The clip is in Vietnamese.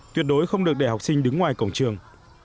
tuyệt đối không được để học sinh đứng ngoài cổng trường